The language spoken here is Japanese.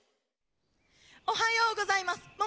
おはようございます。